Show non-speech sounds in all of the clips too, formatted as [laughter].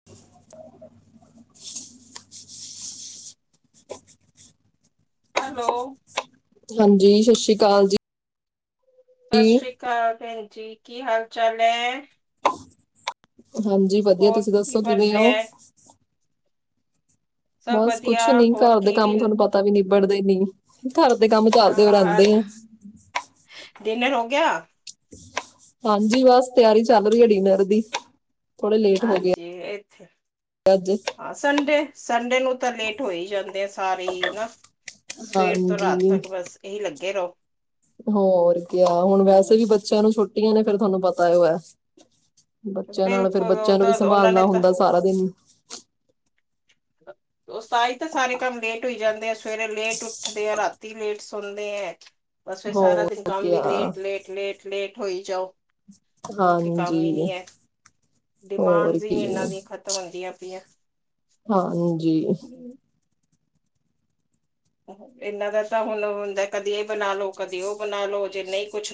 [unintelligible] Hello. ਹਾਂਜੀ, ਸਤਿ ਸ੍ਰੀ ਅਕਾਲ ਜੀ। ਸਤਿ ਸ੍ਰੀ ਅਕਾਲ ਭੈਣ ਜੀ ਕੀ ਹਾਲ ਚਾਲ ਏ। ਹਾਂਜੀ, ਵਧੀਆ ਹੋਰ ਤੁਸੀਂ ਕੀ ਦੱਸੋ ਬਣ ਕਿਵੇਂ ਰਿਹਾ ਹੋ? ਹੈ ਸਭ ਬਸ ਵਧੀਆ ਕੁੱਛ ਨੀ, ਹੋਰ ਘਰ ਦੇ ਕੀ ਕੰਮ ਡਿਨ ਤੁਹਾਨੂੰ ਪਤਾ। ਤਾ ਵੀ ਨਿਬੜਦੇ ਨੀ ਘਰ ਦੇ ਕੰਮ ਚੱਲਦੇ ਹੀ ਹਾਂ ਰਹਿੰਦੇ ਆ। ਡਿਨਰ ਹੋ ਗਿਆ? ਹਾਂਜੀ ਬਸ ਤਿਆਰੀ ਚੱਲ ਰਹੀ ਹੈ ਡਿਨਰ ਦੀ। ਹਾਂਜੀ ਇੱਥੇ। ਗਜ। ਹਾਂ, ਸੰਡੇ -ਸੰਡੇ ਨੂੰ ਤਾਂ ਲੇਟ ਹੋ ਹੀ ਜਾਂਦੇ ਆ ਸਾਰੇ ਹਨ ਨਾ। ਸਵੇਰ ਤੋਂ ਰਾਤ ਹਾਂਜੀ ਤੱਕ ਬਸ ਇਹੀ ਲੱਗੇ ਰਹੋ। ਹੋਰ ਕ ਹੁਣ ਵੈਸੇ ਹੂੰ ਵੀ ਬੱਚਿਆਂ ਨੂੰ ਛੋੱਟੀਆਂ ਨੇ ਫੇਰ ਤੁਹਾਨੂੰ ਪਤਾ ਉਹ ਹੈ। ਬੱਚਿਆਂ ਨਾਲ ਫੇਰ ਬਿਲਕੁਲ ਬੱਚਿਆਂ ਉਹ ਨੂੰ ਵੀ ਤਾਂ ਉਹਨਾਂ ਸੰਭਾਲਣਾ ਨੇ ਤਾਂ ਹੁੰਦਾ ਸਾਰਾ ਦਿਨ। [unintelligible] ਉਸ ਤ ਹੀ ਤਾਂ ਸਾਰੇ ਕੰਮ ਲੇਟ ਹੋਈ ਜਾਂਦੇ ਆ ਸਵੇਰੇ ਲੇਟ ਉੱਠਦੇ ਆ ਰਾਤੀ ਲੇਟ ਸੁਣਦੇ ਆ। ਬਸ ਫਿਰ ਸਾਰਾ ਦਿਨ ਹੋਰ ਕੰਮ ਕਿਆ ਵੀ ਲੇਟ -ਲੇਟ- ਲੇਟ -ਲੇਟ ਹੋਈ ਜਾਓ। ਹੋਰ ਕੋਈ ਕੰਮ ਹੀ ਹਾਂਜੀ ਨਹੀਂ ਹੈ। ਹੋਰ ਡਿਮਾਂਡਸ ਹੀ ਕੀ ਇਹਨਾਂ ਦੀਆਂ ਖਤਮ ਹੁੰਦੀਆਂ ਪਈਆਂ। ਹਾਂਜੀ। ਹਮ। ਇਹਨਾਂ ਦਾ ਤਾਂ ਹੁਣ ਹੁੰਦਾ ਕਦੀ ਇਹ ਬਣਾ ਲੋ ਕਦੀ ਉਹ ਬਣਾ ਲੋ ਜੇ ਨਹੀਂ ਕੁਛ।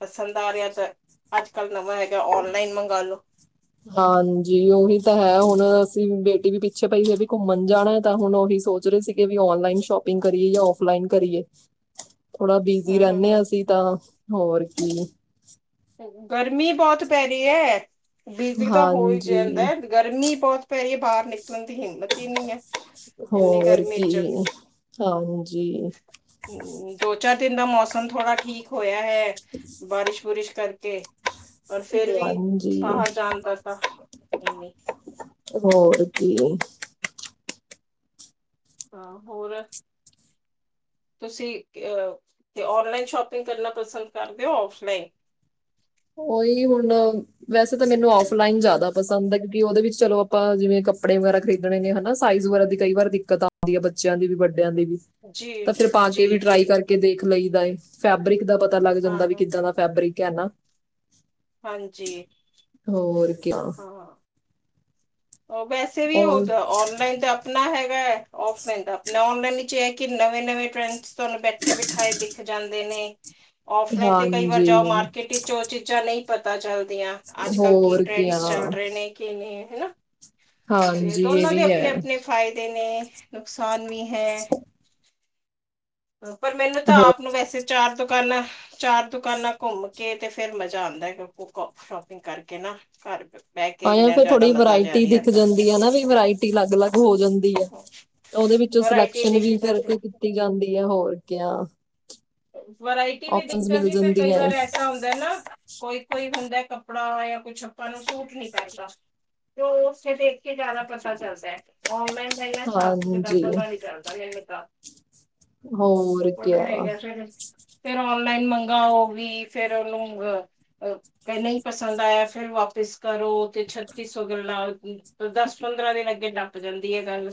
ਪਸੰਦ ਆ ਰਿਹਾ ਤਾਂ ਅੱਜ ਕੱਲ੍ਹ ਨਵਾਂ ਹੈਗਾ ਔਨਲਾਈਨ ਮੰਗਾਲੋ। ਹਾਂਜੀ, ਉਹੀ ਤਾਂ ਹੈ ਹੁਣ ਅਸੀਂ ਬੇਟੀ ਵੀ ਪਿੱਛੇ ਪਈ ਹੈ ਵੀ ਘੁੰਮਣ ਜਾਣਾ ਤਾਂ ਹੁਣ ਉਹੀ ਸੋਚ ਰਹੇ ਸੀ। ਵੀ ਔਨਲਾਈਨ ਸ਼ੋਪਿੰਗ ਕਰੀਏ ਜਾਂ ਔਫਲਾਈਨ ਕਰੀਏ? [unintelligible] ਥੋੜਾ ਬਿਜੀ ਹਮ ਹਮ ਰਹਿੰਦੇ ਹਾਂ ਅਸੀਂ ਤਾਂ ਹੋਰ ਕੀ। ਗਰਮੀ ਬਹੁਤ ਪੈ ਰਹੀ ਹੈ ਬਿਜੀ ਤਾਂ ਹੋ ਹੀ ਹਾਂਜੀ ਜਾਂਦਾ। ਗਰਮੀ ਬਹੁਤ ਪੈ ਰਹੀ ਹੈ ਬਾਹਰ ਨਿਕਲਣ ਦੀ ਹਿੰਮਤ ਹੀ ਨਹੀਂ ਹੈ। ਇੰਨੀ ਹੋਰ ਗਰਮੀ ਕੀ ਚ ਹਾਂਜੀ। ਹਮ ਦੋ- ਚਾਰ ਦਿਨ ਦਾ ਮੌਸਮ ਥੋੜਾ ਠੀਕ ਹੋਇਆ ਹੈ। ਹ। [inaudible] ਬਾਰਿਸ਼- ਬੁਰਿਸ਼ ਕਰਕੇ ਔਰ ਫੇਰ ਵੀ ਹਾਂਜੀ ਬਾਹਰ ਜਾਣਦਾ ਤ ਇਮੀ। ਹੋਰ ਕੀ? ਹਾਂ ਹੋਰ‌। ਤੁਸੀਂ ਤੇ ਔਨਲਾਈਨ ਸ਼ੋਪਿੰਗ ਕਰਨਾ ਪਸੰਦ ਕਰਦੇ ਹੋ ਔਫਲਾਈਨ। ਉਹੀ ਹੁਣ। ਵੈਸੇ ਤਾਂ ਮੈਨੂੰ ਆਫਲਾਈਨ ਜ਼ਿਆਦਾ ਪਸੰਦ ਹੈ। ਕਿਉਂਕ ਉਹਦੇ ਵਿੱਚ ਚਲੋ ਆਪਾਂ ਜਿਵੇਂ ਕੱਪੜੇ ਵਗੈਰਾ ਖਰੀ ਣੇ ਨੇ ਹਨਾ। ਸਾਈਜ਼ ਵਗਰਾ ਦੀ ਕਈ ਵਾਰ ਦਿੱਕਤ ਆਉਂਦੀ ਆ ਬੱਚਿਆਂ ਦੀ ਵੀ ਵੱਡਿਆਂ ਦੀ ਵੀ। ਜੀ ਤਾਂ ਫੇਰ ਪਾ ਕੇ ਜੀ ਵੀ ਜੀ ਟਰਾਈ ਕਰਕੇ ਦੇਖ ਲਈ ਦਾ ਏ। ਫੈਬਰਿਕ ਦਾ ਪਤਾ ਲੱਗ ਜਾਂਦਾ ਵੀ ਹਾਂ ਕਿੱਦਾਂ ਦਾ। ਫੈਬਰਿਕ ਹੈ ਨਾ? ਹਾਂਜੀ ਹੋਰ ਕਿਆ ਹਾਂ। ਉਹ ਵੈਸੇ ਵੀ ਹੋ ਔਰ ਜਾ ਔਨ ਨ ਆਪਣਾ ਹੈਗਾ। ਔਫਲਾਈਨ ਤਾਂ ਆਪਣੇ ਔਨਲਾਈਨ ਵਿਚ ਇਹ ਕਿ ਨਵੇਂ-ਨਵੇਂ ਟਰੈਂਡਸ ਤੁਹਾਨੂੰ ਬੈਠੇ ਬੈਠੇ ਬਿਠਾਏ ਦਿਖ ਜਾਂਦੇ ਨੇ। ਔਫਲਾਈਨ ਤੇ ਕਈ ਵਾਰ ਜਾਓ ਹਾਂਜੀ ਮਾਰਕੀਟ ਟੀ ਚ' ਉਹ ਚੀਜ਼ਾਂ ਨਹੀਂ ਪਤਾ ਚੱਲਦੀਆਂ। ਅੱਜ ਕੱਲ ਕੀ ਹੋਰ ਕਿਆ ਟਰੈਂਡਸ ਚੱਲ ਰਹੇ ਨੇ ਕੀ ਨਹੀਂ ਹੈਨਾ। ਤੇ ਹਾਂਜੀ ਇਹ ਦੋਨਾਂ ਦੇ ਵੀ ਹੈ ਆਪਣੇ-ਆਪਣੇ ਫ਼ਾਇਦੇ ਨੇ ਨੁਕਸਾਨ ਵੀ ਹੈ ਪਰ ਮੈਨੂੰ ਤਾਂ ਹੋਰ ਆਪ ਨੂੰ ਵੈਸੇ ਚਾਰ ਦੁਕਾਨਾਂ ਚਾਰ ਦੁਕਾਨਾਂ ਘੁੰਮ ਕੇ ਤੇ ਫੇਰ ਮਜ਼ਾ ਆਉਂਦਾ ਹੈ ਕਿ ਸ਼ੋਪਿੰਗ ਕਰਕੇ ਨਾ ਘਰ ਹੈ ਕਿ ਇੰਨਾ ਜਿਆਦਾ ਮਜ਼ਾ ਜਿਹਾ ਵਰਾਇਟੀ ਨਹੀਂ ਦਿਖ ਆਉਂਦਾ ਜਾਂਦੀ ਹੈ ਨਾ ਵੀ ਵਰਾਇਟੀ ਅਲੱਗ- ਅਲੱਗ ਹੋ ਜਾਂਦੀ ਆ। ਉਹਦੇ ਵਿੱਚੋਂ ਵਰਾਇਟੀ ਸਿਲੈਕਸ਼ਨ ਦਿਖ ਵੀ ਫਿਰ ਜਾਂਦੀ ਕੀਤੀ ਜਾਂਦੀ ਹੈ ਹੋਰ ਕਿਆ? ਵਰਾਇਟੀ ਵੀ ਆਪਸ਼ਨਸ ਦਿੱਕਤ ਮਿਲ ਸੀ ਫ ਕਈ ਜਾਂਦੀਆਂ ਏ ਵਾਰ ਐਸਾ ਹੁੰਦਾ ਨਾ। ਕੋਈ -ਕੋਈ ਹੁੰਦਾ ਕੱਪੜਾ ਜਾਂ ਕੁਛ ਆਪਾਂ ਨੂੰ ਸੂਟ ਨਹੀਂ ਕਰਦਾ। ਜੋ ਉਸੇ ਦੇਖ ਕੇ ਜ਼ਿਆਦਾ ਪਤਾ ਚੱਲਦਾ ਹੈ। ਔਨਲਾਈਨ ਪਹਿਲਾ ਸਾਫ਼ -ਸੁਥਰਾ ਹਾਂਜੀ ਤਾਂ ਤਾ ਨ ਚੱਲਦਾ ਰਿ ਨ ਤਾਂ। ਹੋਰ ਕਿਆ। ਫੇਰ ਔਨਲਾਈਨ ਮੰਗਾ ਔ ਵੀ। ਫੇਰ ਉਹਨੂੰ ਅ ਕ ਨਹੀਂ ਪਸੰਦ ਆਇਆ ਫਿਰ ਵਾਪਿਸ ਕਰੋ ਤੇ ਛੱਤੀਸੋ ਗਲਾਂ ਦਸ ਪੰਦਰਾਂ ਦਿਨ ਅੱਗੇ ਡੱਪ ਜਾਂਦੀ ਹੈ ਗੱਲ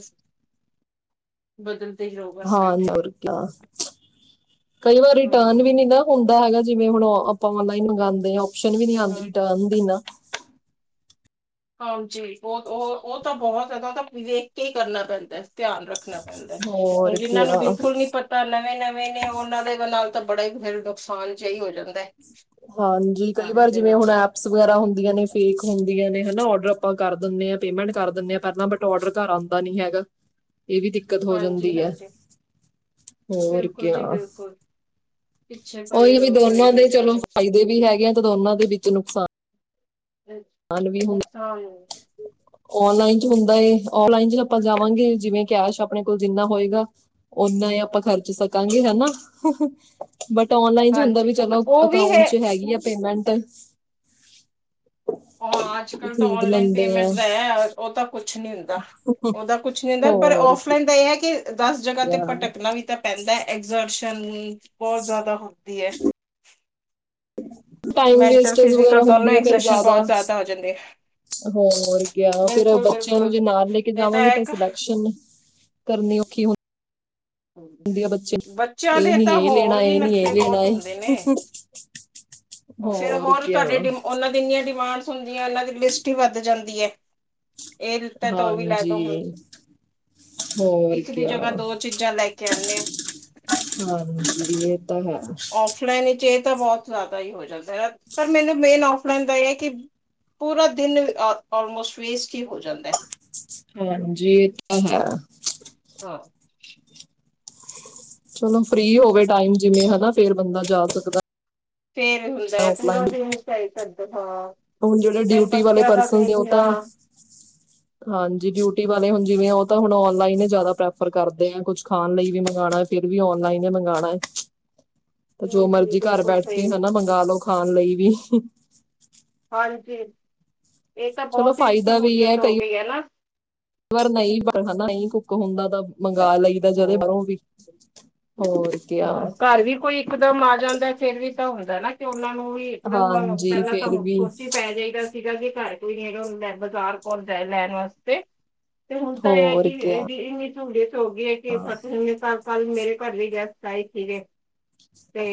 ਬਦਲਦੇ ਹੀ ਰਹੋ ਬਸ ਹਾਂ ਨ ਬੈਠੇ ਹੋਰ ਕਯਾ ਕਈ ਵਾਰ ਰਿਟਰਨ ਵੀ ਹਮ ਨੀਦਾ ਹੁੰਦਾ ਹੈਗਾ ਜਿਵੇਂ ਹੁਣ ਆਪਾਂ ਔਨਲਾਈਨ ਮੰਗਵਾਉਂਦੇ ਹਾਂ ਓਪਸ਼ਨ ਵੀ ਨੀ ਆਉਂਦੀ ਹਮ ਰਿਟਰਨ ਦੀ ਨਾ ਹਾਂਜੀ ਬਹੁਤ ਉਹ-ਉਹ ਤਾਂ ਬਹੁਤ ਦਾ ਤਾਂ ਵੇਖ ਕੇ ਹੀ ਕਰਨਾ ਪੈਂਦਾ ਧਿਆਨ ਰੱਖਣਾ ਪੈਂਦਾ ਹੋਰ ਹੁਣ ਜਿਨਾਂ ਨੂੰ ਕਿਆ ਬਿਲਕੁਲ ਨੀ ਪਤਾ ਤਾਂ ਨਵੇਂ ਨਵੇਂ ਨੇ ਉਹਨਾਂ ਦੇ ਨਾਲ ਤਾਂ ਬੜਾ ਹੀ ਫਿਰ ਨੁਕਸਾਨ ਜਿਹਾਹੀ ਹੋ ਜਾਂਦਾ ਹਾਂਜੀ ਕਈ ਸਾਰਿਆਂ ਵਾਰ ਦੇ ਜਿਵੇਂ ਨਾਲ ਹੁਣ ਵਗੈਰਾ ਹੁੰਦੀਆਂ ਨੇ ਫੇਕ ਹੁੰਦੀਆਂ ਨੇ ਹਨ ਔਡਰ ਆਪਾਂ ਕਰ ਦਿੰਦੇ ਹਾਂ ਪੇਮੈਂਟ ਕਰ ਦਿੰਦੇ ਹਾਂ ਪਹਿਲਾਂ ਬਟ ਔਡਰ ਘਰ ਆਉਂਦਾ ਨੀ ਹੈਗਾ ਇਹ ਵੀ ਦਿੱਕਤ ਹੋ ਹਾਂਜੀ ਜਾਂਦੀ ਹੈ ਹਾਂਜੀ ਬਿਲਕੁਲ ਜੀ ਬਿਲਕੁਲ ਪਿੱਛੇ ਪਏ ਉਹੀ ਵੀ ਰੋ ਪਏ ਦੋਨਾਂ ਹੋ ਦੇ ਚਲੋ ਫਾਇਦੇ ਵੀ ਹੈਗੇ ਆ ਤੇ ਦੋਨਾਂ ਦੇ ਵਿੱਚ ਨੁਕਸਾਨ ਸਾਨ ਵੀ ਹੁੰ ਹਾਂ ਔਨਲਾਈਨ ਚ ਹੁੰਦਾ ਏ ਔਨਲਾਈਨ ਚ ਆਪਾਂ ਜਾਵਾਂਗੇ ਜਿਵੇਂ ਕੈਸ਼ ਆਪਣੇ ਕੋਲ ਜਿੰਨਾ ਹੋਏਗਾ ਓਨਾ ਹੀ ਆਪਾਂ ਖਰਚ ਸਕਾਂਗੇ ਹੈਨਾ ਬਟ ਓਨਲਾਈਨ ਚ ਹੁੰਦਾ ਹਾਂਜੀ ਵੀ ਚਲੋ ਉਹ ਵੀ ਹੈ ਅਕਾਊਂਟ ਚ ਹੈਗੀ ਆ ਪੇਮੈਂਟ ਉਹਾਂ ਅੱਜ ਵੀ ਕੱਲ੍ਹ ਤਾਂ ਖਰੀਦ ਔਨਲਾਈਨ ਲੈਂਦੇ ਆ ਪੇਮੈਂਟ ਦਾ ਹੈ ਉਹ ਤਾਂ ਕੁਛ ਨਹੀਂ ਹੁੰਦਾ ਉਹਦਾ ਕੁਛ ਨਹੀਂ ਹੁੰਦਾ ਪਰ ਹੋਰ ਔਫਲਾਈਨ ਦਾ ਇਹ ਹੈ ਕਿ ਦਸ ਜਗ੍ਹਾ ਤੇ ਭਟਕਣਾ ਵੀ ਤਾਂ ਪੈਂਦਾ ਐਗਜ਼ਰਸ਼ਨ ਬਹੁਤ ਜ਼ਿਆਦਾ ਹੁੰਦੀ ਹੈ ਟਾਈਮ ਮੈਂਟਲ ਵੇਸਟ ਵਗੈਰਾ ਫਿਜ਼ੀਕਲ ਦੋਨੋ ਹੁੰਦੀ ਆ ਫੇਿਰ ਐਗਜਰਸ਼ਨ ਜ਼ਿਆਦਾ ਬਹੁਤ ਹੋ ਜਾਂਦੇ ਆ ਹੋਰ ਕਯਾ ਫਿਰ ਬੱਚਿਆਂ ਨੂੰ ਬਿਲਕੁਲ ਜੇ ਨਾਲ ਲੈ ਕੇ ਇਹ ਜਾਵਾਂਗੇ ਤਾਂ ਇੱਕ ਅਸੀਂ ਲ ਕਰਨੀ ਔਖੀ ਹੁੰਦੀ ਕੈਹਦੀ ਆ ਬੱਚੇ ਬੱਚਿਆਂ ਇਹ ਦੇ ਨੀ ਤਾਂ ਇਹ ਹੋਰ ਲੈਣਾ ਵੀ ਇਹ ਨੀ ਇਹ ਨਖਰੇ ਲੈਣਾ ਬਹੁਤ ਹੁੰਦੇ ਨੇ ਉਹ ਫੇਿਰ ਹੋਰ ਤੁਹਾਡੇਿ ਦੀ ਇਨੀਆਂ ਡਿਮਾਂਡਸ ਹੁੰਦੀਨਾਂ ਦੀ ਲਿਸਟ ਹੀ ਵੱਧ ਜਾਂਦੀ ਹੈ ਇਹ ਲਿਤਾ ਤਾਂ ਉਹ ਵੀ ਲੈ ਹਾਂਜੀ ਦੋ ਹੁਣ ਹੋਰ ਇੱਕ ਦੀ ਕਿਆ ਜਗ੍ਹਾ ਦੋ ਚੀਜ਼ਾਂ ਲੈ ਕੇ ਆਉਂਣੇ ਆਾਂ ਹਾਂਜੀ ਇਹ ਤਾਂ ਹੈ ਫਲਾਈਨ ਵਿੱਚ ਇਹ ਤਾਂ ਬਹੁਤ ਜ਼ਿਆਦਾ ਹੀ ਹੋ ਜਾਂਦਾ ਹੈ, ਪਰ ਮੈਨੂੰ ਮੇਨ ਫਲਾਈਨ ਦਾ ਇਹ ਹੈ ਕਿ ਪੂਰਾ ਦਿਨ ਆਲਮੋਸਟ ਵੇਸਟ ਹੀ ਹੋ ਜਾਂਦਾ ਹੈ। ਹਾਂਜੀ ਇਹ ਤਾਂ ਹਾਂ ਚਲੋ ਫ੍ਰਰੀ ਹੋਵੇ ਟਾਈਮ ਜਿਵੇਂ ਹਨਾ ਫੇਿਰ ਬੰਦਾ ਜਾ ਸਕਦਾ ਫੇਰ ਹੁੰਦਾ ਆ ਆਫਲਾਈਨ ਪੂਰਾ ਦਿਨਈ ਕਰਦ ਹਾਂ ਹੁਣ ਜਿਹੜੇ ਮੈਨ ਡਿਊਟੀ ਵਾਲੇ ਬੱਚਿਆ ਦਾ ਪਰਸਨ ਨੇ ਦੇਖ ਉਹ ਲ ਤਾਂ ਹਾਂਜੀ ਬਿਊਟੀ ਵਾਲੇ ਹੁਣ ਜਿਵੇਂ ਉਹ ਤਾਂ ਹੁਣ ਔਨਲਾਈਨ ਹੀ ਜ਼ਿਆਦਾ ਪ੍ਰੈਫਰ ਕਰਦੇ ਆ ਕੁ ਖਾਣ ਲਈ ਵੀ ਮੰਗਉਣਾ। ਫੇਰ ਵੀ ਔਨਲਾਈਨ ਹੀ ਮੰਗਉਣਾ ਹੈ। [inaudible] ਤੇ ਜੋ ਜੀ ਮਰਜੀ ਘਰ ਬਿਲਕੁਲ ਬੈਠ ਕੇ, ਸਹੀ ਹਨਾ ਮੰਗਾ ਲਓ, ਖਾਣ ਲਈ ਵੀ। ਹਾਂਜੀ ਇਹ ਤਾਂ ਚਲੋ ਬਹੁਤ ਹੀ ਫਾਇਦਾ ਵੀ ਸਹੂਲੀਅਤ ਹੋ ਕਈ ਗਈ ਹੈ ਨਾ ਵਾਰ ਨਹੀਂ ਪਰ ਨਹੀਂ ਕੁੱਕ ਹੁੰਦਾ ਤਾਂ ਮੰਗਵਾ ਲਈਦਾ ਜਦੇ ਹਾਂ ਬਾਹਰੋਂ ਵੀ ਹੋਰ ਕਿਆ ਹ ਘਰ ਵੀ ਕੋਈ ਇਕਦਮ ਆ ਜਾਂਦਾ ਫਿਰ ਵੀ ਤਾਂ ਹੁੰਦਾ ਨਾ ਤੇ ਉਹਨਾ ਨੂੰ ਵੀ ਇੱਕਦਮ ਹਾਂਜੀ ਪਹਿਲਾਂ ਤਾਂ ਫਿਰ ਓਹ ਵੀ ਸੋਚੀ ਪੈ ਜਾਏਗਾ ਸੀਗਾ ਸੀ ਘਰ ਕੋਈ ਨ ਹੈਗਾ ਬਾਜ਼ਾਰ ਕੋਣ ਜਾਏ ਲੈਣ ਵਾਸਤੇ ਤੇ ਹੁਣ ਤਾਂ ਇਹ ਕਿ ਹੋਰ ਕਿਆ ਇਹਦੀ ਇੰਨੀ ਸੂਲੀਹਤ ਹੋ ਗਈ ਹੈ ਕਿ ਸਤ ਹਮੇ ਤਾ ਕੱਲ ਮੇਰੇ ਘਰ ਵੀ ਗੈਸਟ ਆਈ ਸੀਗੇ ਤੇ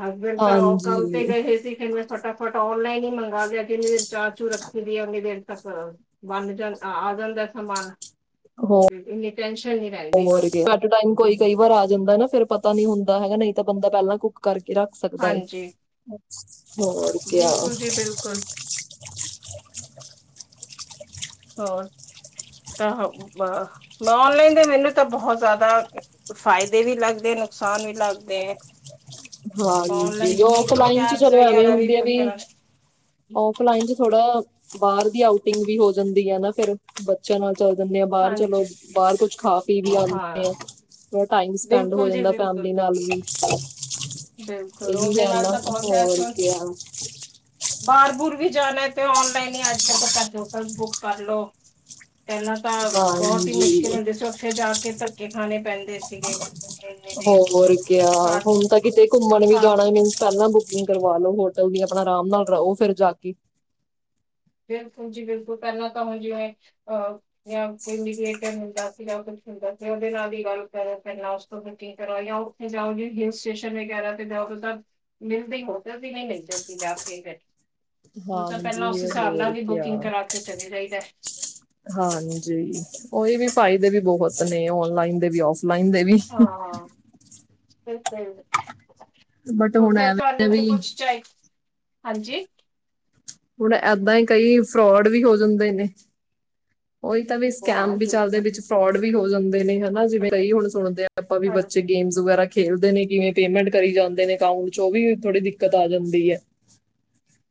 ਹਸਬੈਂਡ ਤਾਂ ਉਹ ਕੰਮ ਤੇ ਹਾਂਜੀ ਗਏ ਸੀ ਫਟਾਫਟ, ਔਨਲਾਈਨ ਹੀ ਮੰਗਾ ਦੇ, ਜਿੰਨੀ ਦੇਰ ਚਾਹਅ- ਚੂ ਰੱਖੀ ਦੀ ਹੈ। ਉਓਨੀ ਦੇਰ ਤੱਕ। ਬੰਣ ਜਾਂ, ਆ ਜਾਂਦਾ ਏ ਸਮਾਨ। ਹੋਰ, ਇੰਨੀ ਟੈਨਸ਼ਨ ਨਹੀਂ ਰਹਿੰਦੀ ਹੋਰ ਹੁਣ ਕੀ। ਟੇ ਟੇਮ, ਕੋਈ, ਕਈ ਵਾਰ ਆ ਜਾਂਦਾ ਨਾ। ਫੇਰ ਪਤਾ ਨੀ ਹੁੰਦਾ ਹੈਗਾ। ਨਹੀਂ ਤਾਂ ਬੰਦਾ ਪਹਿਲਾਂ, ਕੁੱਕ ਕਰਕੇ ਰੱਖ। ਸਕਦਾ, ਹਾਂਜੀ ਹੋਰ ਕਿਆ। ਬਿਲਕੁਲ ਜੀ ਬਿਲਕੁਲ ਹੋਰ, ਤਾਂ ਔਨਲਾਈਨ ਦੇ ਮੈਨੂੰ ਤਾਂ ਬਹੁਤ ਜ਼ਿਆਦਾ। ਫਾਇਦੇ ਵੀ ਲੱਗਦੇ, ਨੁਕਸਾਨ ਵੀ ਲੱਗਦੇ ਹੈ। ਆਪਾਂ ਹਾਂਜੀ। ਔਨਲਾਈਨ ਜਿਵੇਂ ਆਫ ਲਾਈਨ ਚ, ਕੈਬਸ ਚਲੋ ਐਵੇਂ ਵਗੈਰਾ ਹੁੰਦੇ ਆ ਬੁੱਕ ਵੀ। ਕਰਾ ਔਫ ਲਈਨ ਚ, ਥੋੜਾ ਬਾਹਰ ਦੀ, ਆਊਟਿੰਗ ਵੀ ਹੋ ਜਾਂਦੀ ਆ। ਨਾ ਫੇਰ। ਬੱਚਿਆਂ ਨਾਲ, ਚੱਲ ਜਾਂਦੇ ਆ ਬਾਹਰ। ਚਲੋ ਹਾਂਜੀ ਬਾਹਰ ਕੁਛ ਖਾ- ਪੀ ਵੀ ਆਦੇ ਹਾਂ ਆ। ਥੋੜਾ ਟਾਈਮ ਸਪੈਂਡ ਹੋ ਬਿਲਕੁਲ ਜੀ ਜਾਂਦਾ। ਬਿਲਕੁਲ ਫੈਮਲੀ ਨਾਲ ਵੀ। ਬਿਲਕੁਲ ਇਹ ਵੀ, ਉਹਦੇ ਹੈ ਨਾਲ ਨਾ ਤਾਂ ਬਹੁਤ ਹੈ ਹੋਰ ਗਿਆ। ਬਾਹਰ ਬੁਰ ਵੀ, ਜਾਣਾ ਤੇ ਔਨਲਾਈਨ ਹੀ, ਅੱਜ ਕੱਲ ਤਾਂ ਹੋਟਲ ਬੁੱਕ ਕਰ ਲਓ। ਪਹਿਲਾਂ ਤਾਂ, ਬਹੁਤ ਹੀ ਮੁਸ਼ਕਿਲ ਹਾਂਜੀ ਹੁੰਦੀ ਸੀ। ਉੱਥੇ ਜਾ ਕੇ, ਧੱਕੇ ਖਾਣੇ ਪੈਂਦੇ ਸੀਗੇ। ਇੰਨੀ ਦੇਰ ਹੋਰ ਕਿਆ। ਹਾਂ ਹੁਣ ਤਾਂ ਕਿਤੇ, ਘੁੰਮਣ ਵੀ ਹਾਂ ਜਾਣਾ ਮਿਨਸ ਪਹਿਲਾਂ ਬੁਕਿੰਗ। ਕਰਵਾ ਲੋ ਹੋਟਲ ਦੀ। ਆਪਣਾ ਆਰਾਮ ਨਾਲ ਰਹੋ ਫੇਰ ਜਾ ਕੇ। ਬਿਲਕੁਲ ਜੀ ਬਿਲਕੁਲ। ਪਹਿਲਾਂ ਤਾਂ ਹੁਣ ਜਿਵੇਂ, ਅਹ। ਜਾਂ ਕੋਈ ਫੇਰ ਮਿਡੀਟਰ ਹੁੰਦਾ ਸੀਗਾ। ਜਾਂ ਕੁਛ ਹੁੰਦਾ ਸੀਗਾ, ਉਹਦੇ ਨਾਲ ਹੀ ਗੱਲ ਕਰੋ, ਪਹਿਲਾਂ। ਬੁਕਿੰਗ ਕਰਵਾਓ। ਜਾਂ ਉ ਜਾਓ ਜੀ ਹਿਲ ਸਟੇਸ਼ਨ ਵਗੇਰਹ ਤੇ ਜਾਓ ਤਾਂ। ਮਿਲਦੇ ਹੋਟਲ ਦੀ ਨਹੀਂ। ਮਿਲਦੇ ਸੀ ਜਾਂ ਕੇ ਬੈਠ। ਹਾਂਜੀ। ਪੇਹਲਾ ਹੋਰ ਵੀ, ਬੁਕਿੰਗ ਕਿਆ ਕਰਾ ਕੇ ਚਲੀ ਜਾਈਦਾ ਹਾਂਜੀ। ਔਹੀ ਵੀ, ਫਾਇਦੇ ਵੀ ਬਹੁਤ ਨੇ। ਓਨਲਾਈਨ ਦੇ ਵੀ, ਫਲਾਈਨ ਦੇ ਵੀ। ਹਾਂ, ਬਿਲਕੁਲ। ਬਟ ਹੁਣ ਫੇਰ ਤੁਹਾਨੂੰ, ਐਵੇਂ ਵੀ ਪੁੱਛ ਚਾਣੇ। ਹਾਂਜੀ। ਹੁਣ ਏਦਾਂ ਹੀ, ਕਈ ਫਰੋਡ ਵੀ, ਹੋ ਜਾਂਦੇ ਨੇ। ਉਹੀ ਤਾਂ ਵੀ, ਹਾਂ ਸਕੈਮ ਵੀ ਚੱਲਦੇ, ਬਿਲਕੁਲ ਵਿੱਚ ਫਰੋਡ ਵੀ ਹੋ ਜਾਂਦੇ ਨੇ। ਹਨਾ, ਜਿਵੇਂ ਕਈ ਹੁਣ ਸੁਣਦੇ ਆ। ਆਪਾਂ ਵੀ, ਬੱਚੇ ਹਾਂਜੀ ਗੇਮਸ ਵਗੈਰਾ। ਖੇਲਦੇ ਨੇ ਕਿਵੇਂ, ਪੇਮੈਂਟ ਕਰੀ ਜਾਂਦੇ ਨੇ, ਅਕਾਊਂਟ ਚੋ, ਉਹ ਵੀ, ਥੋੜੀ ਦਿੱਕਤ ਆ ਜਾਂਦੀ ਹੈ।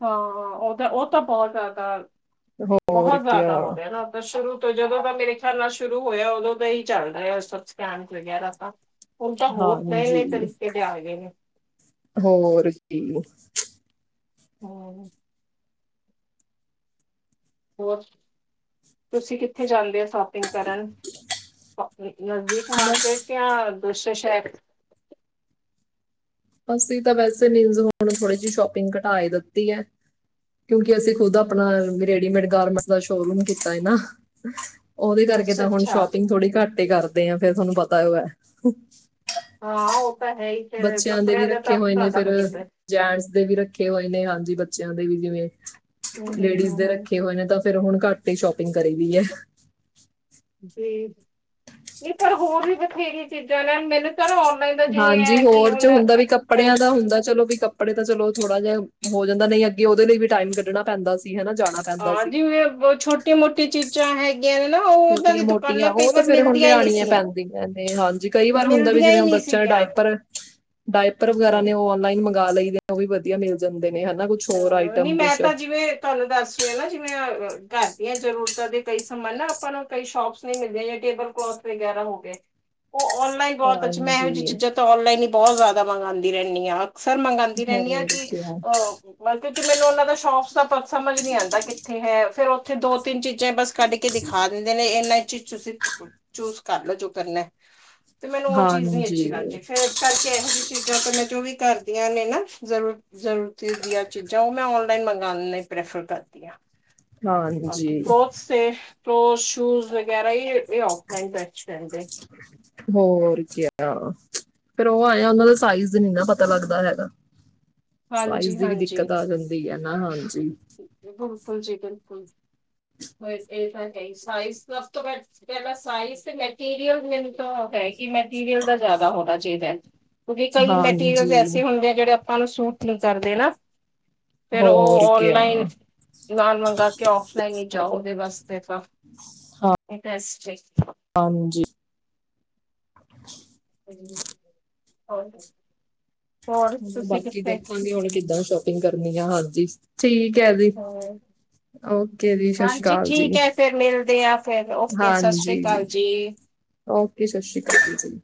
ਹਾਂਾਂ ਉਹ ਤਾਂ, ਉਹ ਤਾਂ ਬਹੁਤ ਜ਼ਿਆਦਾ ਹੋਰ ਬਹੁਤ ਕਿਆ ਜ਼ਿਆਦਾ ਹੋ ਰਿਹਾ ਨਾ। ਤਾਂ ਸ਼ੁਰੂ ਤੋਂ, ਜਦੋਂ ਤਾਂ ਮੇਰੇ ਖਿਆਲ, ਨਾਲ ਸ਼ੁਰੂ ਹੋਇਆ। ਉਦੋਂ ਤਾਂ ਹੀ, ਚੱਲ ਰਿਹਾ ਆ। ਸਕੈਮ ਵਗੈਰਾ ਤਾਂ। ਉਣ ਤਾਂ, ਹੋਰ ਨਹੀਂ, ਨਈ ਹਾਂਜੀ ਤਰੀਕੇ ਦੇ ਆ ਗਏ ਨੇ। ਹੋਰ ਕੀ। ਹੂੰ। ਹੋਰ, ਤੁਸੀਂ ਕਿੱਥੇ ਜਾਂਦੇ ਹੋ ਸ਼ੋਪਿੰਗ ਕਰਨ ਨਜ਼ਦੀਕ? ਬਸ ਮਾਰਕੇਟ, ਜਾਂ ਦੂਸਰੇ ਸ਼ਹਿਰ? ਅਸੀਂ ਤਾਂ ਵੈਸੇ, ਮੀਨਜ਼ ਹੁਣ ਥੋੜੀ ਜਿ ਸ਼ੋਪਿੰਗ ਘਟਾ ਦਿੱਤੀ ਹੈ। ਕਿਉਂਕਿ ਅਸੀਂ ਖੁਦ ਆਪਣਾ ਹਮ ਰੇਡੀਮੇਡ ਗਾਰਮੈਂਟ ਦਾ ਸ਼ੋਰੂਮ ਕੀਤਾ ਹੈ ਨਾ। ਉਹਦੇ ਕਰਕੇ ਅੱਛਾ ਤਾਂ ਹੁਣ ਅੱਛਾ ਸ਼ੋਪਿੰਗ ਥੋੜੀ ਘੱਟ ਹੀ ਕਰਦੇ ਆ, ਫੇਰ ਤੁਹਾਨੂੰ ਪਤਾ ਉਹ ਹੈ। ਹਾਂ ਉਹ ਤਾਂ ਹੈ ਹੀ। ਫੇਰ ਬੱਚਿਆਂ ਦੇ ਵੀ ਕੱਪੜਿਆਂ ਦਾ ਰੱਖੇ ਤਾਂ ਹੋਏ ਨੇ ਤੁਹਾਡਾ ਫਿਰ ਹੋ ਜਾਂਦਾ ਜੈਂਟਸ ਦੇ ਵੀ ਰੱਖੇ ਹੋਏ ਨੇ। ਹਾਂਜੀ, ਬੱਚਿਆਂ ਦੇ ਵੀ ਜਿਵੇਂ, ਹਮ ਹਮ ਲੇਡੀਜ਼ ਹਮ ਦੇ ਹਮ ਰੱਖੇ ਹੋਏ ਨੇ, ਤਾਂ ਫੇਰ ਹੁਣ ਘੱਟ ਹੀ, ਸ਼ੋਪਿੰਗ ਕਰੀ ਦੀ ਹੈ। ਜੀ, ਇਧਰ ਹੋਰ ਵੀ, ਬਥੇਰੀਆਂ ਚੀਜ਼ਾਂ ਨੇ, ਮੇ- ਹਾਂਜੀ। ਹੋਰ ਚ ਹੁੰਦਾ, ਵੀ, ਹੁਣ ਕੱਪੜਿਆਂ ਦਾ ਹੁੰਦਾ ਚਲੋ ਵੀ, ਕੱ- ਕੱਪੜੇ ਤਾਂ ਚਲੋ, ਥੋੜਾ ਜਿਹਾ ਹੋ ਜਾਂਦਾ। ਨਹੀਂ ਅੱਗੇ ਉਹਦੇ ਲਈ ਵੀ, ਟਾਈਮ ਕੱਢਣਾ ਪੈਂਦਾ ਸੀ। ਹਨਾ, ਜਾਣਾ ਪੈਂਦਾ ਸੀ। ਫੇਰ ਬੁਹ ਛੋਟੇ। ਟੀ ਮੋਟੀ ਚੀਜ਼ਾਂ ਹੈ। ਛੋਟੀਆਂ ਮੋਟੀਆਂ, ਉਹ ਤਾਂ ਫੇਰ ਹੁਣ ਮਿਲਦੀਆਂ ਹੀ ਨਹੀਂ ਲਿਆਣੀਆਂ ਸੀ ਪੈਂਦੀਆਂ ਨੇ। ਹਾਂਜੀ, ਕਈ ਵਾਰ ਹੁੰਦਾ ਵੀ, ਮਿਲਦੀਆਂ ਜਿਵੇਂ ਹੀ ਨਹੀਂ ਹੁਣ। ਚਾਹੇ ਸੀਗੀਆਂ ਡਾਇਪਰ, ਡਾਇਪਰ ਵਗੈਰਾ ਹਮ ਨੇ ਉਹ ਓਨਲਾਈਨ ਮੰਗਾ, ਲਈ ਦੇ ਨੇ। ਉਹ ਵੀ, ਵਧੀਆ ਮਿਲ ਜਾਂਦੇ ਨੇ ਹਨਾ ਕੁ। ਹੋਰ, ਹਾਂ ਨਹੀਂ ਆਈਟਮ ਮੈਂ ਕੁਛ। ਤਾਂ ਜਿਵੇਂ ਤੁਹਾਨੂੰ ਦੱਸ ਰਹੀ ਆ ਨਾ, ਜਿਵੇਂ ਘਰ ਦੀਆਂ ਜ਼ਰੂਰਤਾਂ ਦੇ ਕਈ ਸਮਾਨ ਨਾ ਆਪਾਂ ਨੂੰ ਕਈ ਸ਼ੋਪਸ ਨਹੀਂ ਮਿਲਦੀਆਂ, ਜਾਂ ਟੇਬਲ ਕਲੋਥ ਵਗੈਰਾ ਹੋ ਗਏ। ਉਹ ਔਨਲਾਈਨ ਬਹੁਤ ਅੱਛਾ, ਮੈਂ ਇਹੋ ਜਿਹੀ ਹਾਂਜੀ ਚੀਜ਼ਾਂ ਤਾਂ ਔਨਲਾਈਨ ਹੀ ਬਹੁਤ ਜ਼ਿਆਦਾ ਮੰਗਵਾਉਂਦੀ ਰਹਿੰਦੀ ਹਾਂ। ਸਰ ਮੰਗਵਾਉਂਦੀ ਰਹਿੰਦੀ ਹਾਂ, ਹੋਰ ਕਿ ਕਿਆ ਅਹ ਕਿਉਂਕਿ ਮੈਨੂੰ ਉਹਨਾਂ ਦਾ ਸ਼ੌਕ ਤੁਹਾਨੂੰ ਸਮਝ ਨਹੀਂ ਆਉਂਦਾ, ਕਿੱਥੇ ਹੈ, ਫਿਰ - ਫਿਰ ਦੋ ਤਿੰਨ ਚੀਜ਼ਾਂ ਬਸ ਕੱਢ ਕੇ ਦਿਖਾ ਦਿੰਦੇ ਨੇ, ਇੰਨਾ ਇਚ ਹੀ ਤੁਸੀਂ ਚੂਜ ਕਰਲੋ ਜੋ ਕਰਨਾ, ਤੇ ਮੈਨੂੰ ਉਹ ਚੀਜ਼ ਨਹੀ ਹਾਂਜੀ ਅੱਛੀ ਲੱਗਦੀ। ਫੇਰ ਇਸ ਕਰਕੇ, ਇਹੋ ਜਿਹੀ ਚੀਜ਼ਾਂ ਤਾਂ ਮੈਂ ਜੋ ਵੀ ਕਰਦੀਆਂ ਨੇ ਨਾ ਜ਼ਰੂਰ ਜ਼ਰੂਰ ਫੇਸ ਦੀਆਂ ਚੀਜ਼ਾਂ ਉਹ ਮੈਂ ਨਲਾਈਨ ਮੰਗਉਣ ਲਈ ਪ੍ਰੈਫਰ ਕਰਦੀ ਹਾਂ, ਬਾਕੀ ਹਾਂਜੀ ਹੋਰ ਸੇਵ, ਟੋਂਸਟ, ਸ਼ੂਜ, ਵਗੈਰਾ ਏ ਔਫਲਾਈਨ ਬੈਸਟ ਰੈਂਹਿੰਦੇ। ਹੋਰ ਕੇਹਾ ਫੇਰ ਉਹ ਆਯਾ, ਉਹਨਾਂ ਦਾ ਸਾਈਜ਼ ਨੀ ਨਾ ਪਤਾ ਲੱਗਦਾ ਹੈਗਾ। ਸਾਈਜ਼ ਹਾਂਜੀ ਦੀ ਵੀ ਹਾਂਜੀ ਦਿੱਕਤ ਆ ਜਾਂਦੀ ਹੈ ਨਾ, ਹਾਂਜੀ। ਬਿਲਕੁਲ ਜੀ ਬਿਲਕੁਲ ਜੀ। ਔ ਏ ਤਾਂ ਹੈ ਹੀ, ਸਾਈਜ਼ ਸਬ ਤੋ ਲਫ਼ ਤੋਂ ਵੱਧ ਪਹਿਲਾਂ ਸਾਈਜ਼, ਤੇ ਮੈਟੀਰੀਅਲ, ਮੈਨੂੰ ਤਾਂ ਹੈ ਕਿ ਮੈਟੀਰੀਅਲ ਦਾ ਜ਼ਿਆਦਾ ਹੋਣਾ ਚਾਹੀਦਾ। ਬੀ ਕਈ ਮੈਟੀਰੀਅਲ ਹਾਂਜੀ ਐਸੇ ਹੁੰਦੇ ਐ, ਜਿਹੜੇ ਆਪਾਂ ਨੂੰ ਸੂਟ ਨਹੀ ਕਰਦੇ ਨਾ। ਫੇਰ ਉਹ ਹੋਰ ਕਿਆ ਔਨਲਾਈਨ ਨਾ ਮੰਗਾ ਕੇ, ਔਫਲਾਈਨ ਹੀ ਜਾਓ ਔਦੇ ਵਾਸਤੇ ਤਾਂ, ਬੈਸਟ ਐ - ਹਾਂਜੀ। ਹਾ, ਹੋਰ ਹੋਰ ਹੂ ਤੁਸੀਂ ਬਾਕੀ ਕਿੱਥੇ ਦੇਖਾਂਗੇ ਹੁਣ ਕਿੱਦਾਂ ਸ਼ੋਪਿੰਗ ਕਰਨੀ ਆ, ਹਾਂਜੀ, ਠੀਕ ਹੈ ਜੀ। ਹੋਰ ਔ ਕੇ ਜੀ, ਸਤਿ ਸ਼੍ਰੀ ਹਾਂਜੀ ਅਕਾਲ ਠੀਕ ਜੀ, ਹੈ ਫੇਰ ਮਿਲਦੇ ਆ ਫੇਰ ਓਕੇ ਸਤਿ ਸ੍ਰੀ ਹਾਂਜੀ ਜੀ। ਅਕਾਲ ਔ ਕੇ, ਸਤਿ ਸ਼੍ਰੀ ਅਕਾਲ ਜੀ।